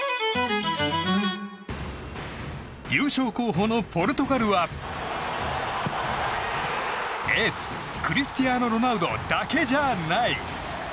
優勝候補のポルトガルはエース、クリスティアーノ・ロナウドだけじゃない！